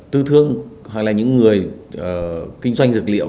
tư thương hay là những người kinh doanh dược liệu